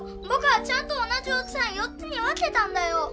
ぼくはちゃんと同じ大きさに４つにわけたんだよ！